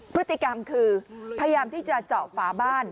พฤติกรรมคือพยายามที่จะเจาะฝาบ้าน